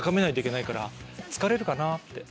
疲れるかなぁって。